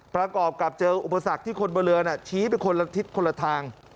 ประกอบกับเจออุปสรรคที่คนบนเรือชี้ไปคนละทิศคนละทาง